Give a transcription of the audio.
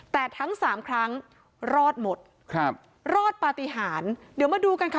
แต่ทั้งสามครั้งรอดหมดครับรอดปฏิหารเดี๋ยวมาดูกันค่ะ